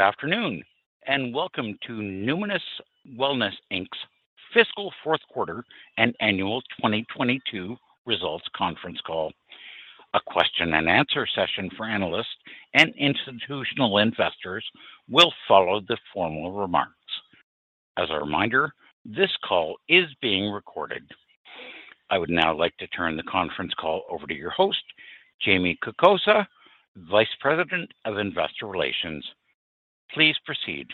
Good afternoon, and welcome to Numinus Wellness Inc.'s fiscal fourth quarter and annual 2022 results conference call. A question and answer session for analysts and institutional investors will follow the formal remarks. As a reminder, this call is being recorded. I would now like to turn the conference call over to your host, Jamie Kokoska, Vice President of Investor Relations. Please proceed.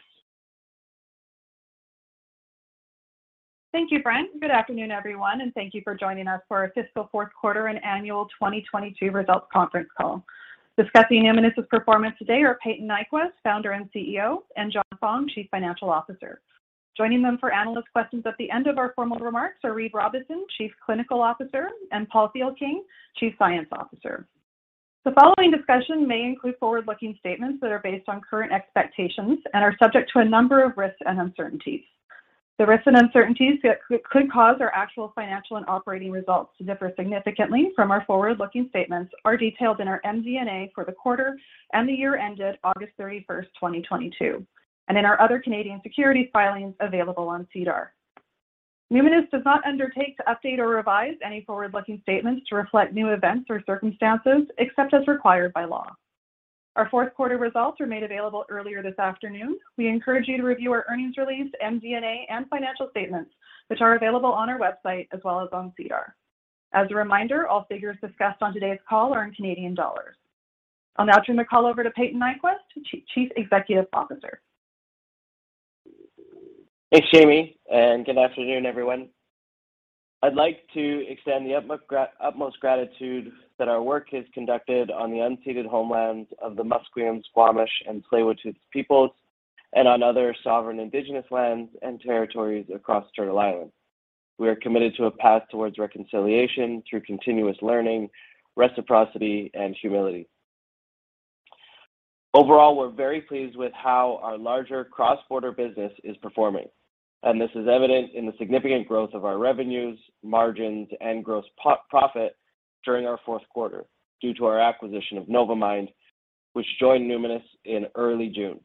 Thank you, Brent. Good afternoon, everyone. Thank you for joining us for our fiscal fourth quarter and annual 2022 results conference call. Discussing Numinus's performance today are Payton Nyquvest, Founder and CEO; and John Fong, Chief Financial Officer. Joining them for analyst questions at the end of our formal remarks are Reid Robison, Chief Clinical Officer; and Paul Thielking, Chief Science Officer. The following discussion may include forward-looking statements that are based on current expectations and are subject to a number of risks and uncertainties. The risks and uncertainties that could cause our actual financial and operating results to differ significantly from our forward-looking statements are detailed in our MD&A for the quarter and the year ended August 31st, 2022, and in our other Canadian securities filings available on SEDAR. Numinus does not undertake to update or revise any forward-looking statements to reflect new events or circumstances except as required by law. Our fourth quarter results were made available earlier this afternoon. We encourage you to review our earnings release, MD&A and financial statements, which are available on our website as well as on SEDAR. As a reminder, all figures discussed on today's call are in Canadian dollars. I'll now turn the call over to Payton Nyquvest, Chief Executive Officer. Thanks, Jamie. Good afternoon, everyone. I'd like to extend the utmost gratitude that our work is conducted on the unceded homelands of the Musqueam, Squamish, and Tsleil-Waututh peoples, on other sovereign indigenous lands and territories across Turtle Island. We are committed to a path towards reconciliation through continuous learning, reciprocity, and humility. Overall, we're very pleased with how our larger cross-border business is performing. This is evident in the significant growth of our revenues, margins, and gross profit during our fourth quarter due to our acquisition of Novamind, which joined Numinus in early June.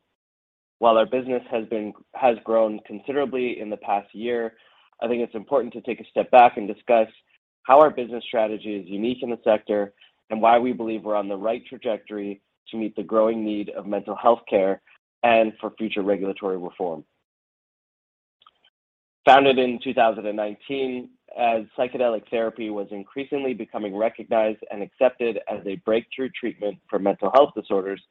While our business has grown considerably in the past year, I think it's important to take a step back and discuss how our business strategy is unique in the sector and why we believe we're on the right trajectory to meet the growing need of mental health care and for future regulatory reform. Founded in 2019 as psychedelic therapy was increasingly becoming recognized and accepted as a breakthrough treatment for mental health disorders,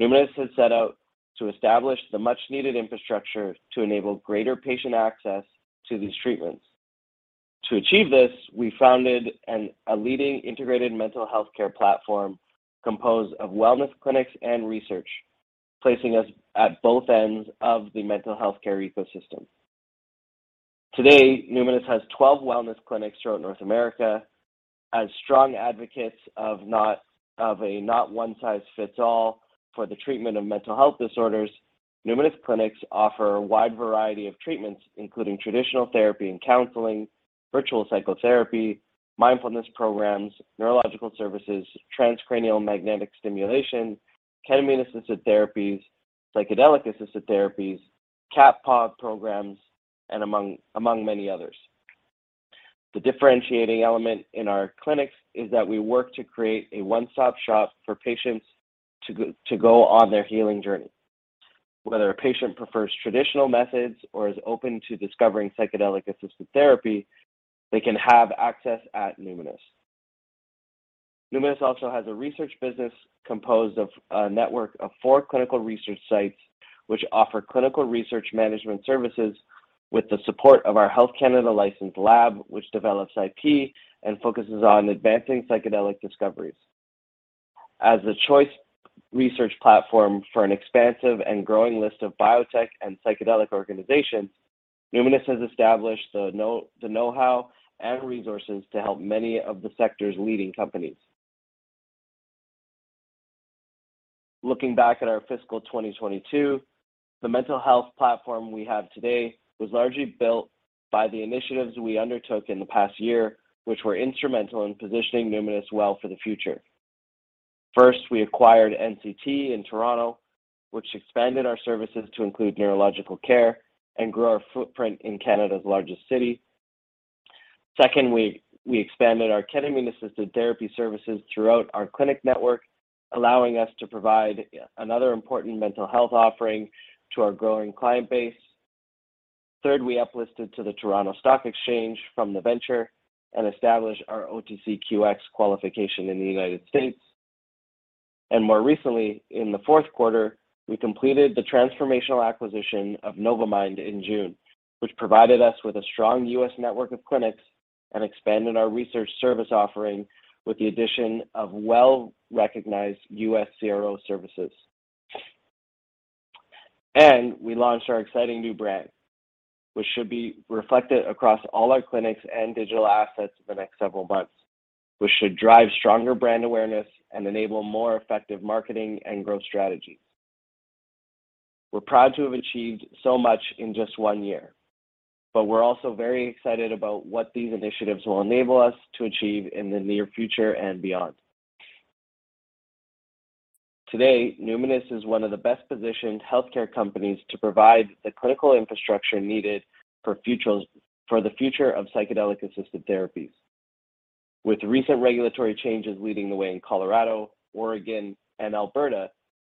Numinus has set out to establish the much-needed infrastructure to enable greater patient access to these treatments. To achieve this, we founded a leading integrated mental health care platform composed of wellness clinics and research, placing us at both ends of the mental health care ecosystem. Today, Numinus has 12 wellness clinics throughout North America. As strong advocates of a not one size fits all for the treatment of mental health disorders, Numinus clinics offer a wide variety of treatments, including traditional therapy and counseling, virtual psychotherapy, mindfulness programs, neurological services, transcranial magnetic stimulation, ketamine-assisted therapies, psychedelic-assisted therapies, KAP programs, and among many others. The differentiating element in our clinics is that we work to create a one-stop shop for patients to go on their healing journey. Whether a patient prefers traditional methods or is open to discovering psychedelic-assisted therapy, they can have access at Numinus. Numinus also has a research business composed of a network of four clinical research sites, which offer clinical research management services with the support of our Health Canada licensed lab, which develops IP and focuses on advancing psychedelic discoveries. As a choice research platform for an expansive and growing list of biotech and psychedelic organizations, Numinus has established the know-how and resources to help many of the sector's leading companies. Looking back at our fiscal 2022, the mental health platform we have today was largely built by the initiatives we undertook in the past year, which were instrumental in positioning Numinus well for the future. First, we acquired NCT in Toronto, which expanded our services to include neurological care and grew our footprint in Canada's largest city. Second, we expanded our ketamine-assisted therapy services throughout our clinic network, allowing us to provide another important mental health offering to our growing client base. Third, we uplisted to the Toronto Stock Exchange from the venture and established our OTCQX qualification in the United States. More recently, in the fourth quarter, we completed the transformational acquisition of Novamind in June, which provided us with a strong US network of clinics and expanded our research service offering with the addition of well-recognized U.S. CRO services. We launched our exciting new brand, which should be reflected across all our clinics and digital assets for the next several months, which should drive stronger brand awareness and enable more effective marketing and growth strategies. We're proud to have achieved so much in just one year. But we're also very excited about what these initiatives will enable us to achieve in the near future and beyond. Today, Numinus is one of the best-positioned healthcare companies to provide the clinical infrastructure needed for the future of psychedelic-assisted therapies. With recent regulatory changes leading the way in Colorado, Oregon, and Alberta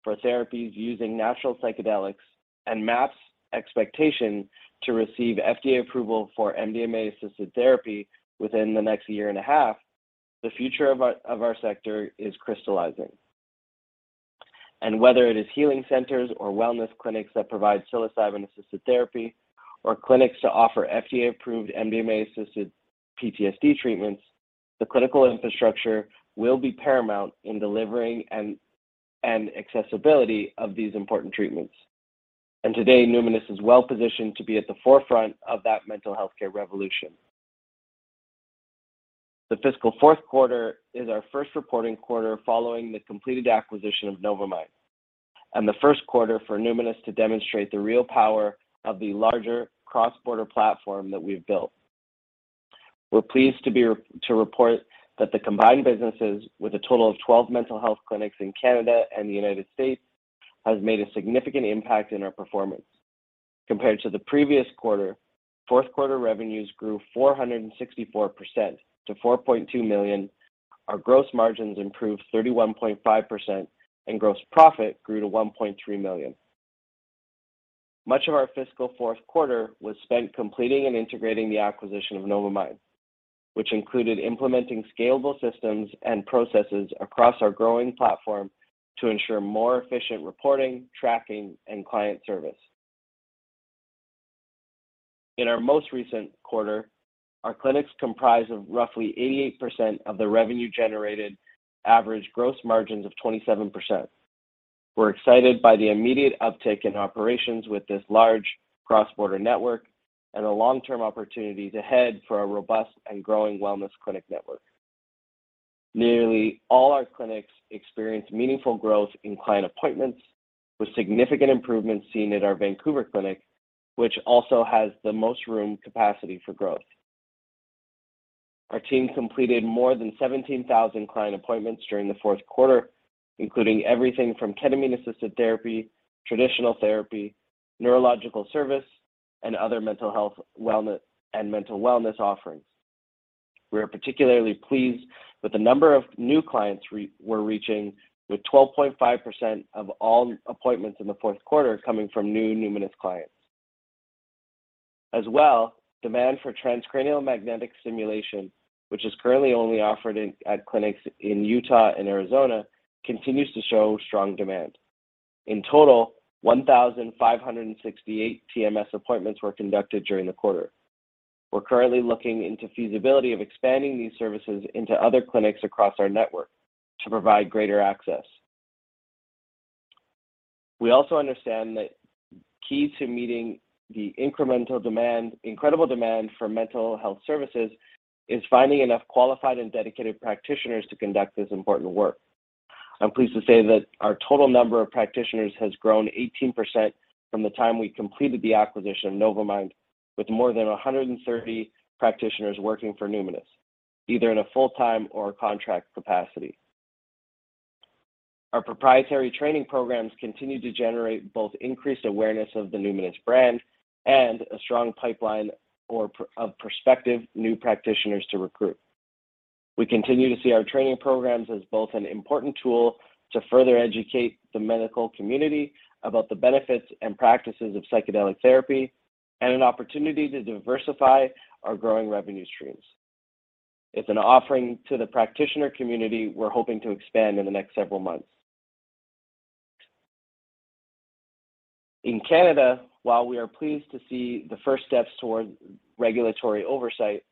for therapies using natural psychedelics and MAPS expectation to receive FDA approval for MDMA-assisted therapy within the next year and a half, the future of our sector is crystallizing. Whether it is healing centers or wellness clinics that provide psilocybin-assisted therapy or clinics to offer FDA-approved MDMA-assisted PTSD treatments, the clinical infrastructure will be paramount in delivering and accessibility of these important treatments. Today, Numinus is well-positioned to be at the forefront of that mental healthcare revolution. The fiscal fourth quarter is our first reporting quarter following the completed acquisition of Novamind, and the first quarter for Numinus to demonstrate the real power of the larger cross-border platform that we've built. We're pleased to report that the combined businesses with a total of 12 mental health clinics in Canada and the United States has made a significant impact in our performance. Compared to the previous quarter, fourth quarter revenues grew 464% to $4.2 million. Our gross margins improved 31.5%, and gross profit grew to $1.3 million. Much of our fiscal fourth quarter was spent completing and integrating the acquisition of Novamind, which included implementing scalable systems and processes across our growing platform to ensure more efficient reporting, tracking, and client service. In our most recent quarter, our clinics comprise of roughly 88% of the revenue-generated average gross margins of 27%. We're excited by the immediate uptick in operations with this large cross-border network and the long-term opportunity to head for a robust and growing wellness clinic network. Nearly all our clinics experienced meaningful growth in client appointments, with significant improvements seen at our Vancouver clinic, which also has the most room capacity for growth. Our team completed more than 17,000 client appointments during the fourth quarter, including everything from ketamine-assisted therapy, traditional therapy, neurological service, and other mental health wellness and mental wellness offerings. We are particularly pleased with the number of new clients we're reaching, with 12.5% of all appointments in the fourth quarter coming from new Numinus clients. As well, demand for transcranial magnetic stimulation, which is currently only offered at clinics in Utah and Arizona, continues to show strong demand. In total, 1,568 TMS appointments were conducted during the quarter. We're currently looking into feasibility of expanding these services into other clinics across our network to provide greater access. We also understand that key to meeting the incredible demand for mental health services is finding enough qualified and dedicated practitioners to conduct this important work. I'm pleased to say that our total number of practitioners has grown 18% from the time we completed the acquisition of Novamind, with more than 130 practitioners working for Numinus, either in a full-time or contract capacity. Our proprietary training programs continue to generate both increased awareness of the Numinus brand and a strong pipeline of prospective new practitioners to recruit. We continue to see our training programs as both an important tool to further educate the medical community about the benefits and practices of psychedelic therapy and an opportunity to diversify our growing revenue streams. It's an offering to the practitioner community we're hoping to expand in the next several months. In Canada, while we are pleased to see the first steps towards regulatory oversight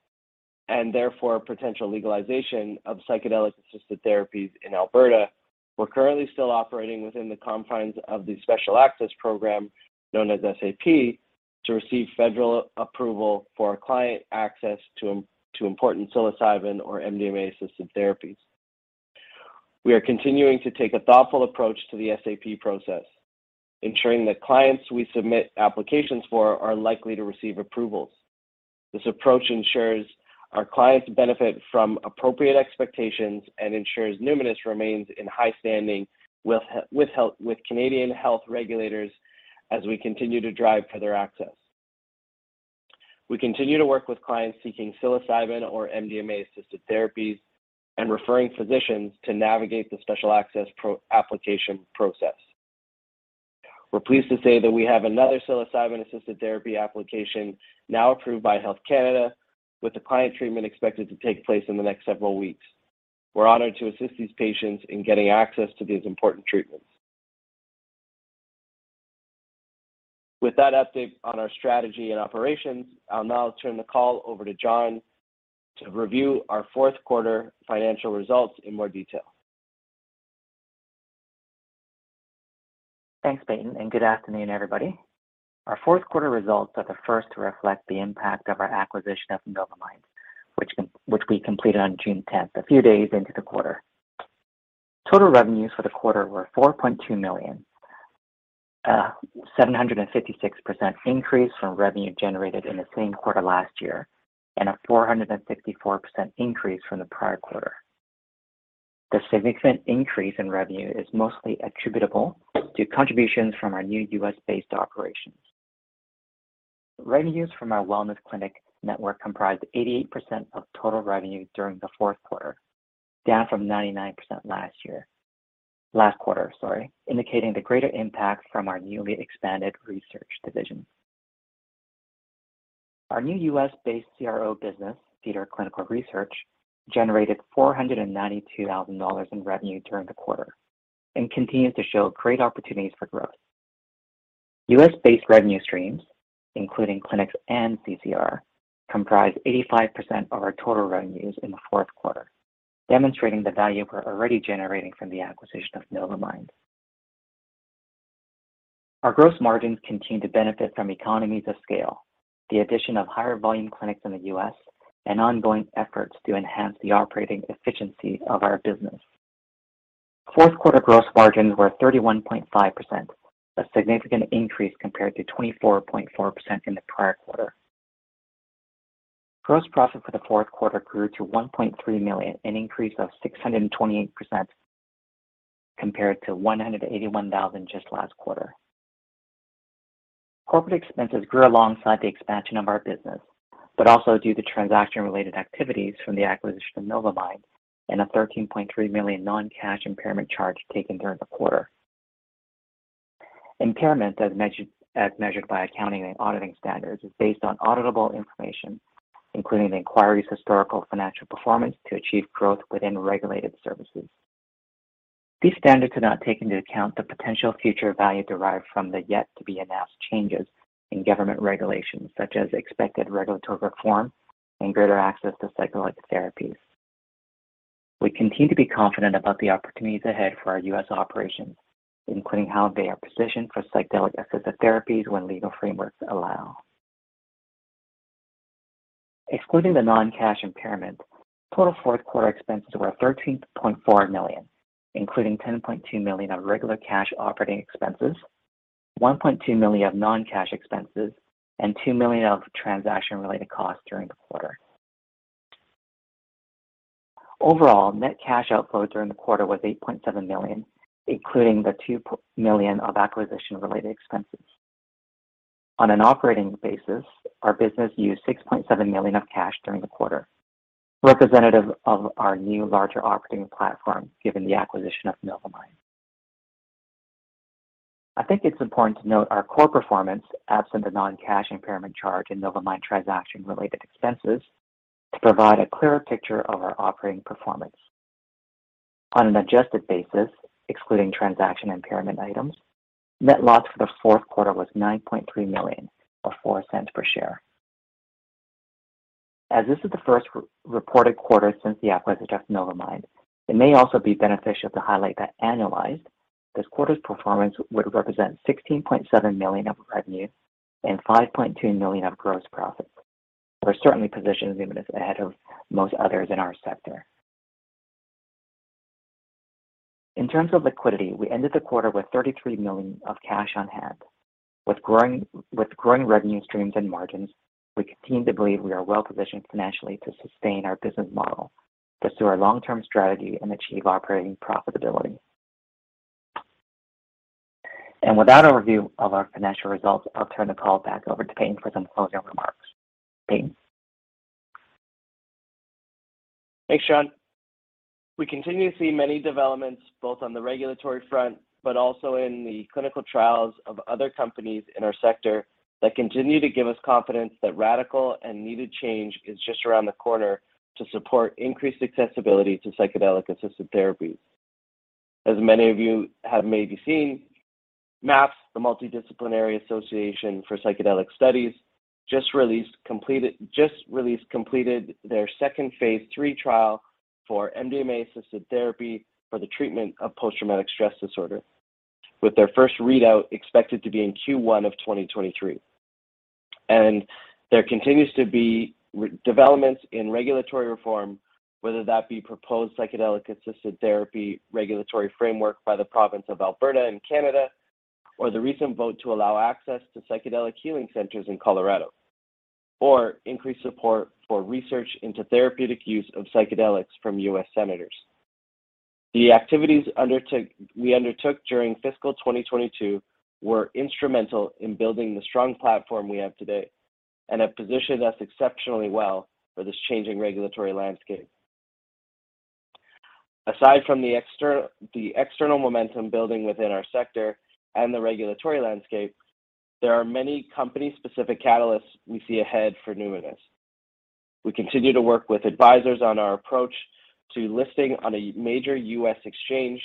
and therefore potential legalization of psychedelic-assisted therapies in Alberta, we're currently still operating within the confines of the Special Access Program, known as SAP, to receive federal approval for our client access to important psilocybin or MDMA-assisted therapies. We are continuing to take a thoughtful approach to the SAP process, ensuring that clients we submit applications for are likely to receive approvals. This approach ensures our clients benefit from appropriate expectations and ensures Numinus remains in high standing with Canadian health regulators as we continue to drive further access. We continue to work with clients seeking psilocybin or MDMA-assisted therapies and referring physicians to navigate the Special Access application process. We're pleased to say that we have another psilocybin-assisted therapy application now approved by Health Canada, with the client treatment expected to take place in the next several weeks. We're honored to assist these patients in getting access to these important treatments. With that update on our strategy and operations, I'll now turn the call over to John to review our fourth quarter financial results in more detail. Thanks, Payton. Good afternoon, everybody. Our fourth quarter results are the first to reflect the impact of our acquisition of Novamind which we completed on June 10th, a few days into the quarter. Total revenues for the quarter were 4.2 million. 756% increase from revenue generated in the same quarter last year, a 464% increase from the prior quarter. The significant increase in revenue is mostly attributable to contributions from our new U.S.-based operations. Revenues from our wellness clinic network comprised 88% of total revenue during the fourth quarter, down from 99% last year. Last quarter, sorry, indicating the greater impact from our newly expanded research division. Our new U.S.-based CRO business, Cedar Clinical Research, generated $492,000 in revenue during the quarter and continues to show great opportunities for growth. U.S.-based revenue streams, including clinics and CCR, comprise 85% of our total revenues in the fourth quarter, demonstrating the value we're already generating from the acquisition of Novamind. Our gross margins continue to benefit from economies of scale, the addition of higher volume clinics in the U.S., and ongoing efforts to enhance the operating efficiency of our business. Fourth quarter gross margins were 31.5%, a significant increase compared to 24.4% in the prior quarter. Gross profit for the fourth quarter grew to $1.3 million, an increase of 628% compared to $181,000 just last quarter. Corporate expenses grew alongside the expansion of our business, also due to transaction-related activities from the acquisition of Novamind and a $13.3 million non-cash impairment charge taken during the quarter. Impairment, as measured by accounting and auditing standards, is based on auditable information, including the inquiry's historical financial performance to achieve growth within regulated services. These standards do not take into account the potential future value derived from the yet to be announced changes in government regulations, such as expected regulatory reform and greater access to psychedelic therapies. We continue to be confident about the opportunities ahead for our U.S. operations, including how they are positioned for psychedelic-assisted therapies when legal frameworks allow. Excluding the non-cash impairment, total fourth quarter expenses were 13.4 million, including 10.2 million of regular cash operating expenses, 1.2 million of non-cash expenses, and 2 million of transaction-related costs during the quarter. Overall, net cash outflow during the quarter was 8.7 million, including the 2 million of acquisition-related expenses. On an operating basis, our business used 6.7 million of cash during the quarter, representative of our new larger operating platform given the acquisition of Novamind. I think it's important to note our core performance absent a non-cash impairment charge in Novamind transaction-related expenses to provide a clearer picture of our operating performance. On an adjusted basis, excluding transaction impairment items, net loss for the fourth quarter was 9.3 million, or 0.04 per share. As this is the first reported quarter since the acquisition of Novamind it may also be beneficial to highlight that annualized, this quarter's performance would represent $16.7 million of revenue and $5.2 million of gross profit. We're certainly positioned even as ahead of most others in our sector. In terms of liquidity, we ended the quarter with $33 million of cash on hand. With growing revenue streams and margins, we continue to believe we are well-positioned financially to sustain our business model, pursue our long-term strategy, and achieve operating profitability. With that overview of our financial results, I'll turn the call back over to Payton for some closing remarks. Payton. Thanks, John. We continue to see many developments, both on the regulatory front, but also in the clinical trials of other companies in our sector that continue to give us confidence that radical and needed change is just around the corner to support increased accessibility to psychedelic-assisted therapies. As many of you have maybe seen, MAPS, the Multidisciplinary Association for Psychedelic Studies, just released completed their second phase III trial for MDMA-assisted therapy for the treatment of post-traumatic stress disorder, with their first readout expected to be in Q1 of 2023. There continues to be developments in regulatory reform, whether that be proposed psychedelic-assisted therapy regulatory framework by the province of Alberta in Canada, or the recent vote to allow access to psychedelic healing centers in Colorado, or increased support for research into therapeutic use of psychedelics from U.S. senators. The activities we undertook during fiscal 2022 were instrumental in building the strong platform we have today and have positioned us exceptionally well for this changing regulatory landscape. Aside from the external momentum building within our sector and the regulatory landscape, there are many company-specific catalysts we see ahead for Numinus. We continue to work with advisors on our approach to listing on a major U.S. exchange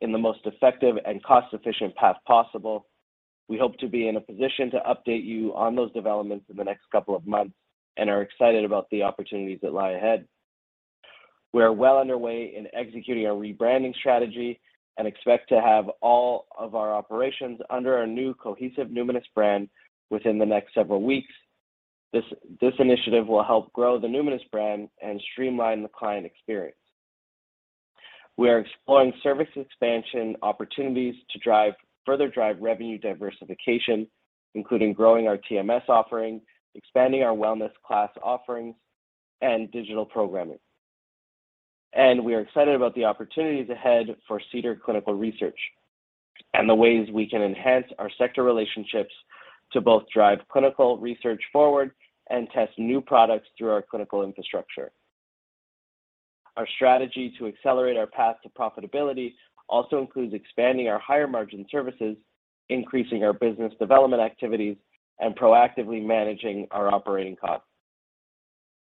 in the most effective and cost-efficient path possible. We hope to be in a position to update you on those developments in the next couple of months and are excited about the opportunities that lie ahead. We are well underway in executing our rebranding strategy and expect to have all of our operations under our new cohesive Numinus brand within the next several weeks. This initiative will help grow the Numinus brand and streamline the client experience. We are exploring service expansion opportunities to further drive revenue diversification, including growing our TMS offering, expanding our wellness class offerings, and digital programming. We are excited about the opportunities ahead for Cedar Clinical Research and the ways we can enhance our sector relationships to both drive clinical research forward and test new products through our clinical infrastructure. Our strategy to accelerate our path to profitability also includes expanding our higher-margin services, increasing our business development activities, and proactively managing our operating costs.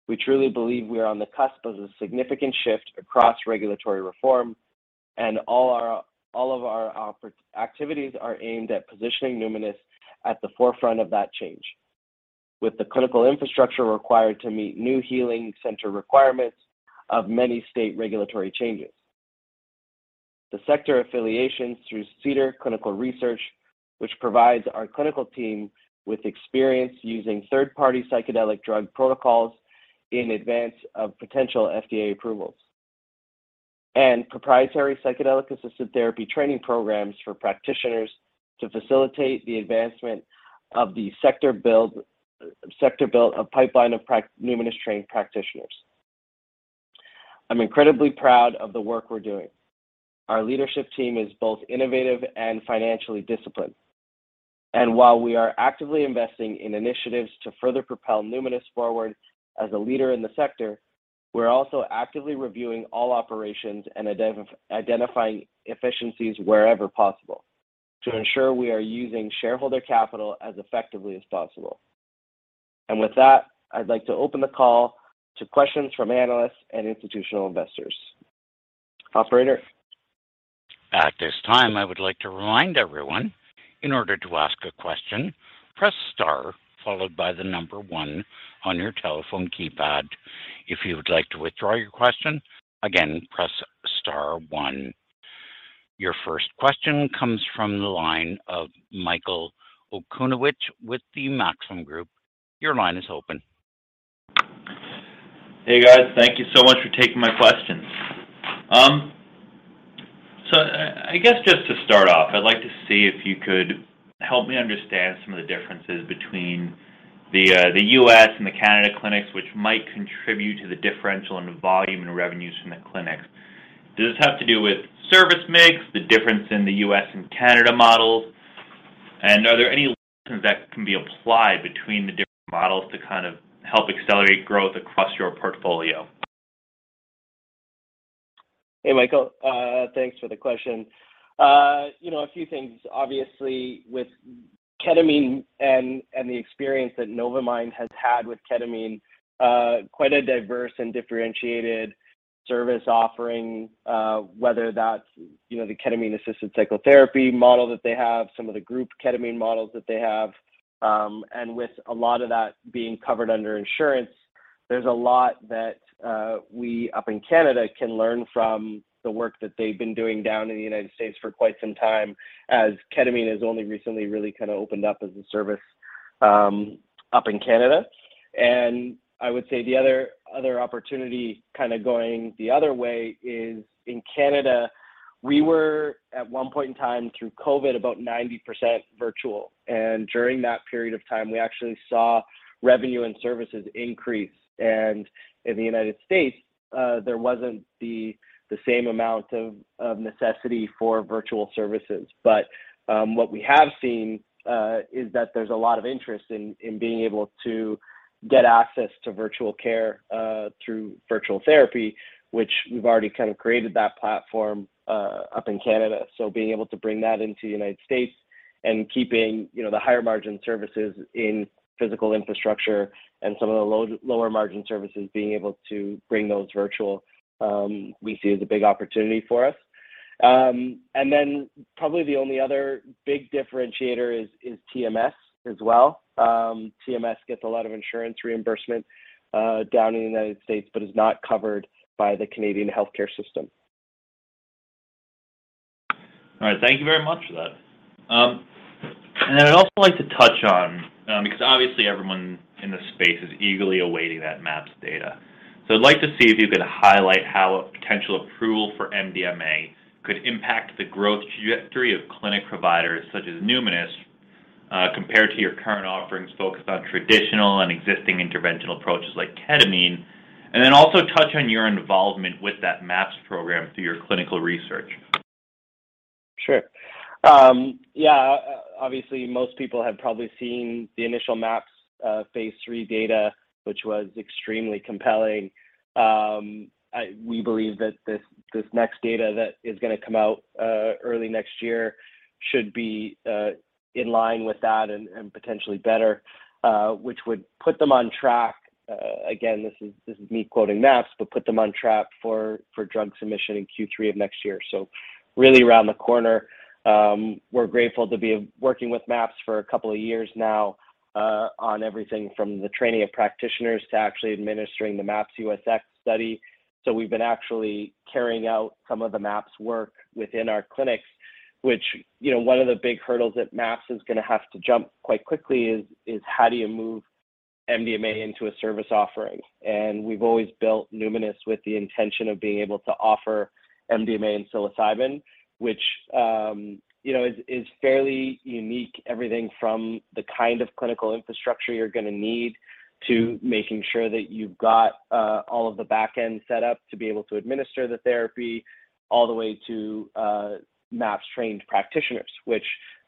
We truly believe we are on the cusp of a significant shift across regulatory reform, and all of our activities are aimed at positioning Numinus at the forefront of that change. With the clinical infrastructure required to meet new healing center requirements of many state regulatory changes. The sector affiliations through Cedar Clinical Research, which provides our clinical team with experience using third-party psychedelic drug protocols in advance of potential FDA approvals. Proprietary psychedelic-assisted therapy training programs for practitioners to facilitate the advancement of the sector-built pipeline of Numinus-trained practitioners. I'm incredibly proud of the work we're doing. Our leadership team is both innovative and financially disciplined. While we are actively investing in initiatives to further propel Numinus forward as a leader in the sector, we're also actively reviewing all operations and identifying efficiencies wherever possible to ensure we are using shareholder capital as effectively as possible. With that, I'd like to open the call to questions from analysts and institutional investors. Operator. At this time, I would like to remind everyone, in order to ask a question, press star followed by one on your telephone keypad. If you would like to withdraw your question, again, press star one. Your first question comes from the line of Michael Okunewitch with the Maxim Group. Your line is open. Hey, guys. Thank you so much for taking my questions. I guess just to start off, I'd like to see if you could help me understand some of the differences between the U.S. and the Canada clinics, which might contribute to the differential in the volume and revenues from the clinics. Does this have to do with service mix, the difference in the U.S. and Canada models? Are there any lessons that can be applied between the different models to kind of help accelerate growth across your portfolio? Hey, Michael. Thanks for the question. You know, a few things, obviously, with ketamine and the experience that Novamind has had with ketamine, quite a diverse and differentiated service offering, whether that's, you know, the ketamine-assisted psychotherapy model that they have, some of the group ketamine models that they have, and with a lot of that being covered under insurance, there's a lot that we up in Canada can learn from the work that they've been doing down in the United States for quite some time, as ketamine has only recently really kind of opened up as a service up in Canada. I would say the other opportunity kind of going the other way is in Canada, we were at one point in time through COVID about 90% virtual. During that period of time, we actually saw revenue and services increase. In the United States, there wasn't the same amount of necessity for virtual services. What we have seen is that there's a lot of interest in being able to get access to virtual care through virtual therapy, which we've already kind of created that platform up in Canada. Being able to bring that into the United States and keeping, you know, the higher-margin services in physical infrastructure and some of the lower-margin services, being able to bring those virtual, we see as a big opportunity for us. Probably the only other big differentiator is TMS as well. TMS gets a lot of insurance reimbursement down in the United States, but is not covered by the Canadian healthcare system. All right. Thank you very much for that. I'd also like to touch on, because obviously everyone in this space is eagerly awaiting that MAPS data. I'd like to see if you could highlight how a potential approval for MDMA could impact the growth trajectory of clinic providers such as Numinus, compared to your current offerings focused on traditional and existing interventional approaches like ketamine, and then also touch on your involvement with that MAPS program through your clinical research. Sure. Yeah, obviously most people have probably seen the initial MAPS phase III data, which was extremely compelling. We believe that this next data that is gonna come out early next year should be in line with that and potentially better, which would put them on track. Again, this is, this is me quoting MAPS, but put them on track for drug submission in Q3 of next year. Really around the corner. We're grateful to be working with MAPS for a couple of years now, on everything from the training of practitioners to actually administering the MAPPUSX study. We've been actually carrying out some of the MAPS work within our clinics. One, you know, of the big hurdles that MAPS is going to have to jump quite quickly is how do you move MDMA into a service offering? We've always built Numinus with the intention of being able to offer MDMA and psilocybin, which, you know, is fairly unique. Everything from the kind of clinical infrastructure you're going to need to making sure that you've got all of the back end set up to be able to administer the therapy, all the way to MAPS trained practitioners.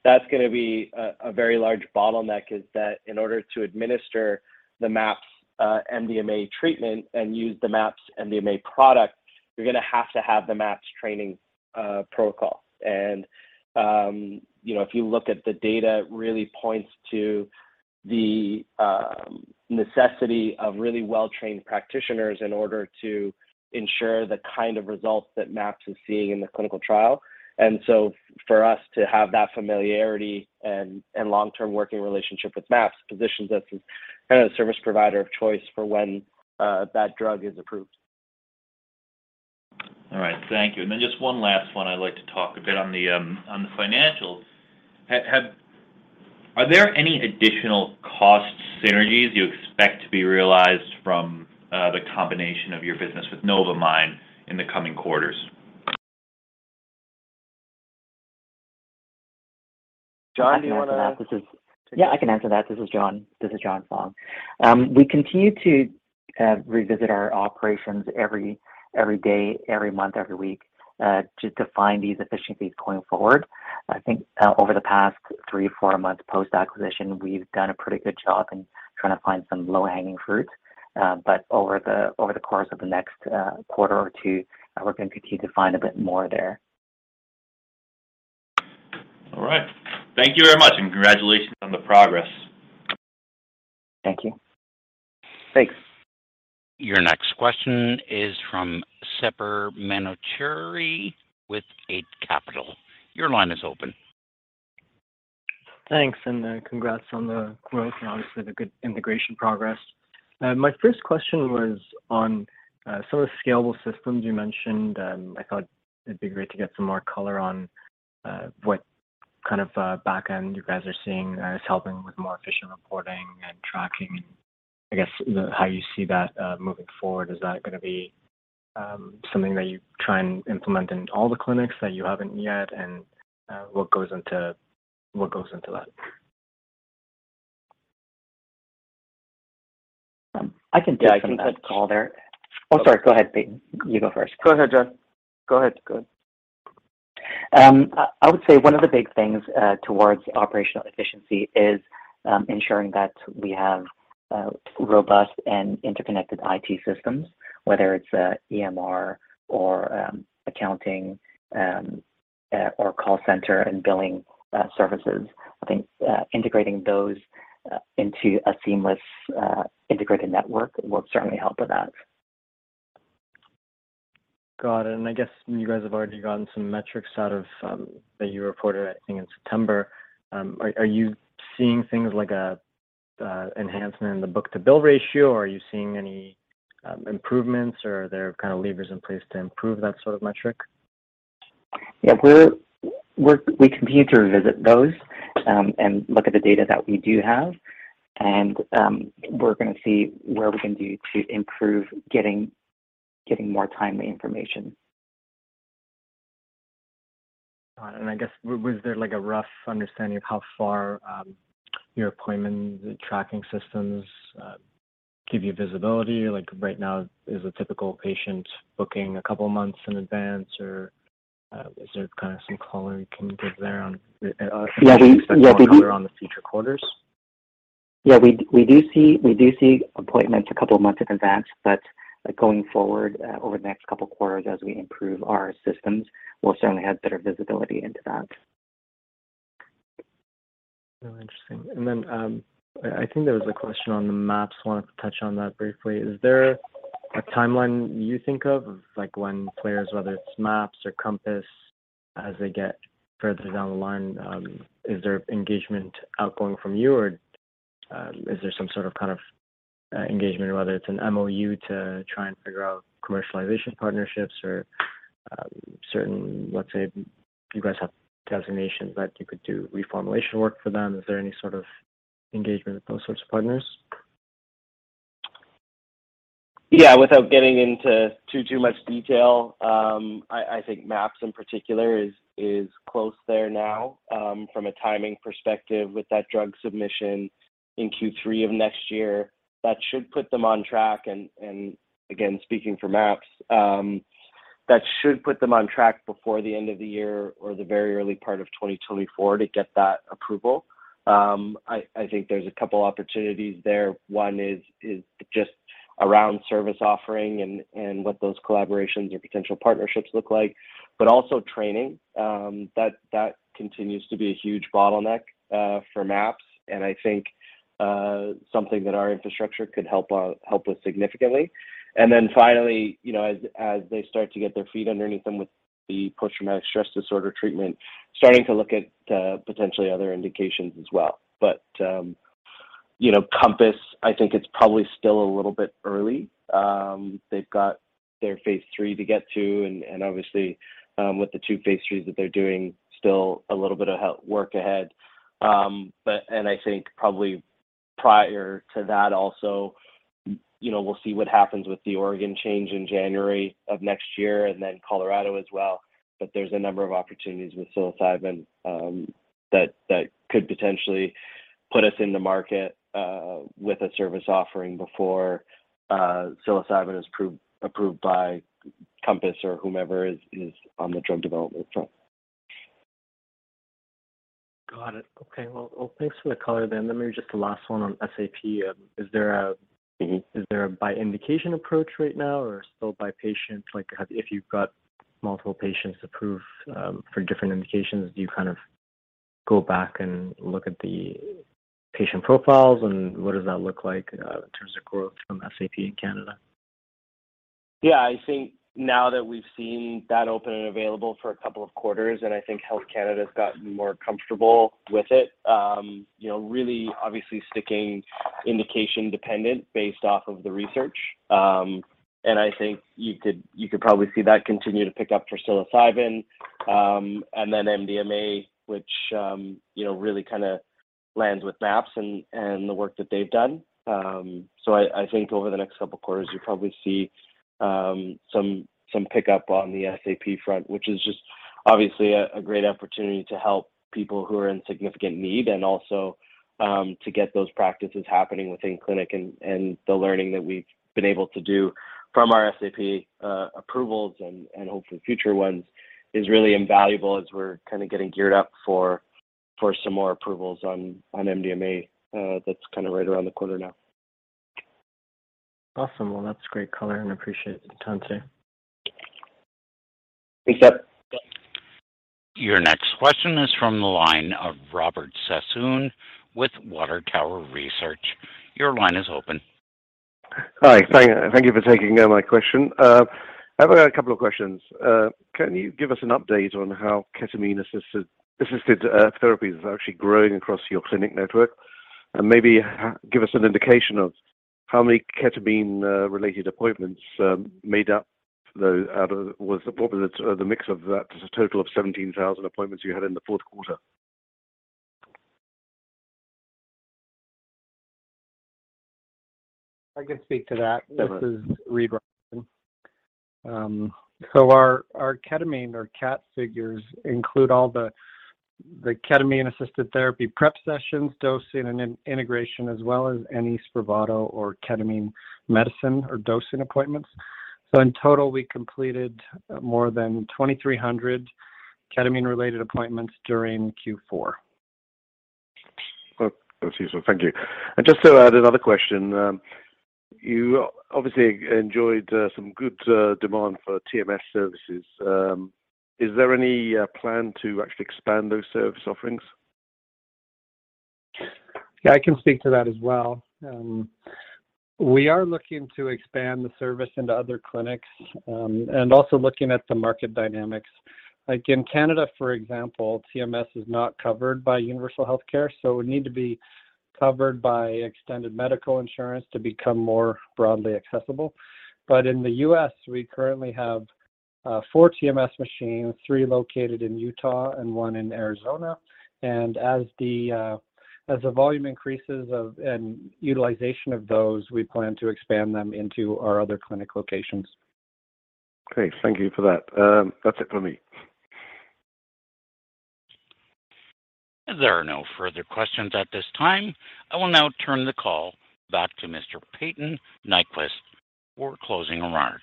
That's going to be a very large bottleneck, is that in order to administer the MAPS MDMA treatment and use the MAPS MDMA product, you're going to have to have the MAPS training protocol. You know, if you look at the data, it really points to the necessity of really well-trained practitioners in order to ensure the kind of results that MAPS is seeing in the clinical trial. For us to have that familiarity and long-term working relationship with MAPS positions us as kind of the service provider of choice for when that drug is approved. All right. Thank you. Then just one last one. I'd like to talk a bit on the, on the financials. Are there any additional cost synergies you expect to be realized from, the combination of your business with Novamind in the coming quarters? John, do you want to? I can answer that. Yeah, I can answer that. This is John Fong. We continue to revisit our operations every day, every month, every week, to find these efficiencies going forward. I think over the past three, four months post-acquisition, we've done a pretty good job in trying to find some low-hanging fruit. Over the course of the next quarter or two, we're going to continue to find a bit more there. All right. Thank you very much, and congratulations on the progress. Thank you. Thanks. Your next question is from Sepehr Manochehry with Eight Capital. Your line is open. Thanks. Congrats on the growth and obviously the good integration progress. My first question was on some of the scalable systems you mentioned. I thought it'd be great to get some more color on what kind of back end you guys are seeing as helping with more efficient reporting and tracking. How you see that moving forward? Is that going to be something that you try and implement in all the clinics that you haven't yet? What goes into that? I can take that call there. Yeah, I can. Oh, sorry. Go ahead, Payton. You go first. Go ahead, John. Go ahead. Go ahead. I would say one of the big things towards operational efficiency is ensuring that we have robust and interconnected IT systems. Whether it's EMR or accounting or call center and billing services. I think integrating those into a seamless integrated network will certainly help with that. Got it. I guess you guys have already gotten some metrics out of that you reported, I think, in September. Are you seeing things like an enhancement in the book-to-bill ratio, or are you seeing any improvements, or are there kind of levers in place to improve that sort of metric? Yeah, we're we continue to revisit those, and look at the data that we do have, and we're going to see where we can do to improve getting more timely information. Got it. I guess was there like a rough understanding of how far your appointment tracking systems give you visibility? Like right now, is a typical patient booking a couple months in advance or, is there kind of some color you can give there. Yeah. We, yeah, we. On the future quarters? Yeah, we do see appointments a couple of months in advance. Going forward, over the next couple quarters as we improve our systems, we'll certainly have better visibility into that. Really interesting. I think there was a question on the MAPS. Wanted to touch on that briefly. Is there a timeline you think of like when players, whether it's MAPS or Compass, as they get further down the line, is there engagement outgoing from you, or, is there some sort of kind of engagement, whether it's an MoU to try and figure out commercialization partnerships or, certain. Let's say you guys have designations that you could do reformulation work for them. Is there any sort of engagement with those sorts of partners? Without getting into too much detail, I think MAPS in particular is close there now from a timing perspective with that drug submission in Q3 of next year. That should put them on track and again, speaking for MAPS, that should put them on track before the end of the year or the very early part of 2024 to get that approval. I think there's a couple opportunities there. One is just around service offering and what those collaborations or potential partnerships look like, but also training. That continues to be a huge bottleneck for MAPS, and I think something that our infrastructure could help with significantly. Finally, you know, as they start to get their feet underneath them with the post-traumatic stress disorder treatment, starting to look at potentially other indications as well. You know, Compass, I think it's probably still a little bit early. They've got their phase III to get to, and obviously, with the two phase III that they're doing, still a little bit of work ahead. I think probably prior to that also, you know, we'll see what happens with the Oregon change in January of next year and then Colorado as well. There's a number of opportunities with psilocybin that could potentially put us in the market with a service offering before psilocybin is approved by Compass or whomever is on the drug development front. Got it. Okay. Well, thanks for the color then. Let me read just the last one on SAP. Is there? Mm-hmm. Is there a by indication approach right now, or still by patient? Like, if you've got multiple patients approved, for different indications, do you kind of go back and look at the patient profiles, and what does that look like, in terms of growth from SAP in Canada? Yeah. I think now that we've seen that open and available for a couple of quarters, and I think Health Canada's gotten more comfortable with it, you know, really obviously sticking indication dependent based off of the research. I think you could probably see that continue to pick up for psilocybin, then MDMA, which, you know, really kinda lands with MAPS and the work that they've done. I think over the next couple quarters, you'll probably see some pickup on the SAP front, which is just obviously a great opportunity to help people who are in significant need and also to get those practices happening within clinic. The learning that we've been able to do from our SAP approvals and hopefully future ones is really invaluable as we're kinda getting geared up for some more approvals on MDMA that's kinda right around the corner now. Awesome. Well, that's great color, and appreciate the time today. Thanks, Sep. Your next question is from the line of Robert Sassoon with Water Tower Research. Your line is open. Hi. Thank you for taking my question. I have a couple of questions. Can you give us an update on how ketamine-assisted therapies are actually growing across your clinic network? Maybe give us an indication of how many ketamine related appointments made up what was the mix of that as a total of 17,000 appointments you had in the fourth quarter? I can speak to that. Okay. This is Reid Robison. Our ketamine or KAT figures include all the ketamine-assisted therapy prep sessions, dosing, and integration, as well as any SPRAVATO or ketamine medicine or dosing appointments. In total, we completed more than 2,300 ketamine-related appointments during Q4. Oh, that's useful. Thank you. Just to add another question, you obviously enjoyed some good demand for TMS services. Is there any plan to actually expand those service offerings? Yeah, I can speak to that as well. We are looking to expand the service into other clinics, and also looking at the market dynamics. Like in Canada, for example, TMS is not covered by universal healthcare, so it would need to be covered by extended medical insurance to become more broadly accessible. In the U.S., we currently have, four TMS machines, three located in Utah and one in Arizona. As the volume increases and utilization of those, we plan to expand them into our other clinic locations. Great. Thank you for that. That's it for me. There are no further questions at this time. I will now turn the call back to Mr. Payton Nyquvest for closing remarks.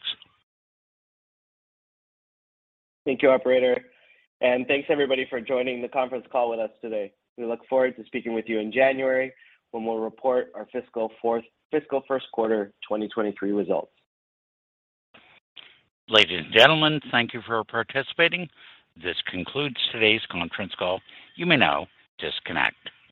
Thank you, operator, and thanks everybody for joining the conference call with us today. We look forward to speaking with you in January when we'll report our fiscal first quarter 2023 results. Ladies and gentlemen, thank you for participating. This concludes today's conference call. You may now disconnect.